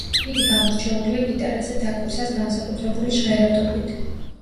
იგი გამორჩეულია გიტარაზე დაკვრისას განსაკუთრებული ჟღერადობით.